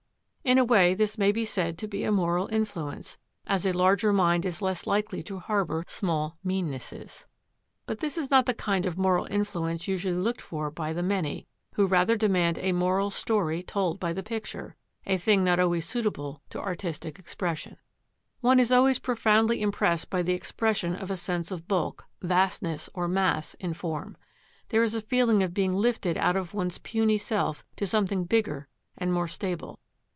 In a way this may be said to be a moral influence, as a larger mind is less likely to harbour small meannesses. But this is not the kind of moral influence usually looked for by the many, who rather demand a moral story told by the picture; a thing not always suitable to artistic expression. One is always profoundly impressed by the expression of a sense of bulk, vastness, or mass in form. There is a feeling of being lifted out of one's puny self to something bigger and more stable.